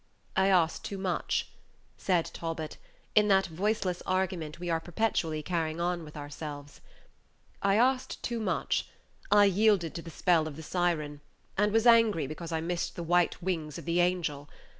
"I asked too much," said Talbot, in that voiceless argument we are perpetually carrying on with ourselves; "I asked too much I yielded to the spell of the siren, and was angry because I missed the white wings of the Page 68 angel.